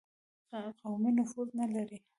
قومي نفوذ نه لري.